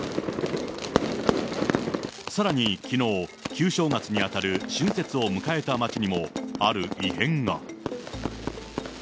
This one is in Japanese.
さらにきのう、旧正月に当たる春節を迎えた町にも、ある異変が。